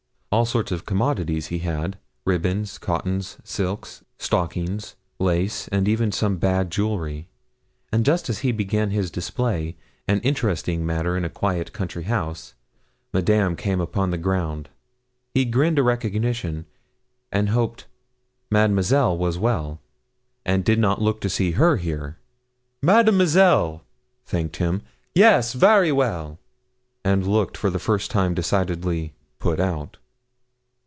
All sorts of commodities he had ribbons, cottons, silks, stockings, lace, and even some bad jewellry; and just as he began his display an interesting matter in a quiet country house Madame came upon the ground. He grinned a recognition, and hoped 'Madamasel' was well, and 'did not look to see her here.' 'Madamasel' thanked him. 'Yes, vary well,' and looked for the first time decidedly 'put out.'